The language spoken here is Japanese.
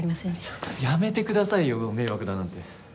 やめてくださいよ迷惑だなんて。